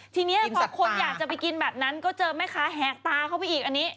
ทีนี้พอคนอยากจะไปกินแบบนั้นก็เจอแม่ค้าแหกตาเข้าไปอีกอันนี้